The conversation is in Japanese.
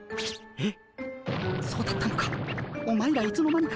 えっ？